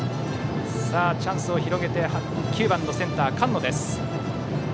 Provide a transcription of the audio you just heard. チャンスを広げて９番のセンター、菅野。